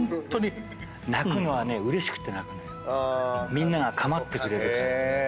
みんなが構ってくれるしさ。